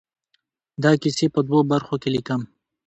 دا کیسې په دوو برخو کې ليکم.